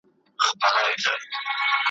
په کوهي کي لاندي څه کړې بې وطنه ,